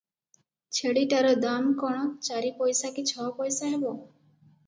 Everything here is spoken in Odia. "ଛେଳିଟାର ଦାମ କଣ ଚାରି ପଇସା କି ଛଅ ପଇସା ହେବ ।"